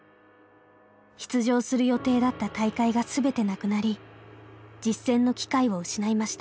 出場する予定だった大会が全てなくなり実戦の機会を失いました。